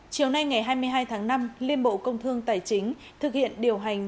chiều nay ngày hai mươi hai tháng năm liên bộ công thương tài chính thực hiện điều hành